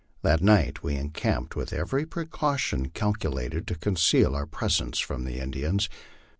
That night we encamped with every precaution calculated to conceal our presence from the Indians.